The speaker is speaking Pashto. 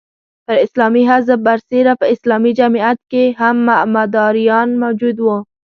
پر اسلامي حزب برسېره په اسلامي جمعیت کې هم مداریان موجود وو.